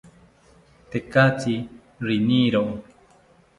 Tekatzi riniro